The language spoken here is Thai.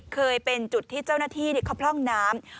เคยเป็นจุดที่เจ้าหน้าที่เขาพร่องน้ำ